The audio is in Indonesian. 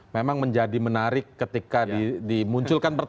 memang menjadi menarik ketika di di munculkan pertanyaan